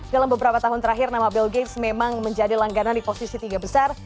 dalam beberapa tahun terakhir nama bill games memang menjadi langganan di posisi tiga besar